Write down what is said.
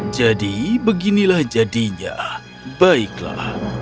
jadi beginilah jadinya baiklah